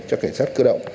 cho cảnh sát cơ động